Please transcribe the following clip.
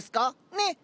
ねっ？